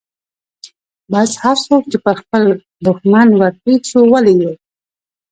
بس هرڅوک چې پر خپل دښمن ورپېښ سو ولي يې.